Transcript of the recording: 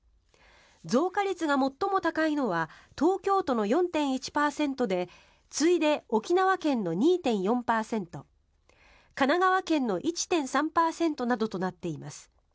増加率が最も高いのは東京都の４．１％で次いで、沖縄県の２．４％神奈川県の１．３％などとなっています。